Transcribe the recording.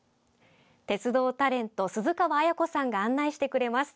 鉄道タレント鈴川絢子さんが案内してくれます。